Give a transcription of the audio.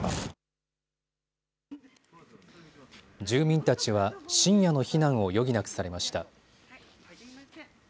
住民たちは深夜の避難を余儀なくされました。